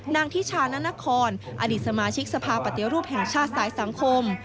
ทิชานานครอดีตสมาชิกสภาปฏิรูปแห่งชาติสายสังคม